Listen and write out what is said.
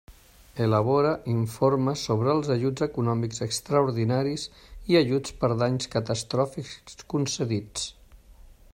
Elabora informes sobre els ajuts econòmics extraordinaris i ajuts per danys catastròfics concedits.